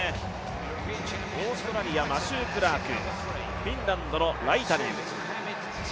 オーストラリアマシュー・クラーク、フィンランドのライタネン。